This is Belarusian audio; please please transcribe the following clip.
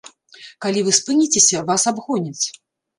Калі вы спыніцеся, вас абгоняць.